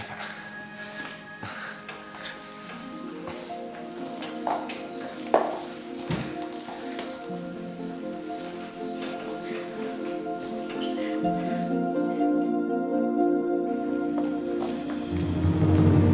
mak ibu bach